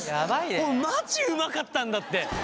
俺マジうまかったんだって。